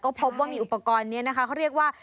พบว่ามีอุปกรณ์นี้นะคะเขาเรียกว่า